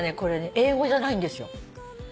英語じゃないんですよ。